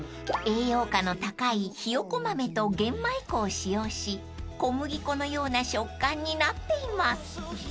［栄養価の高いヒヨコマメと玄米粉を使用し小麦粉のような食感になっています］